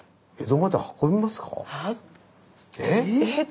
え？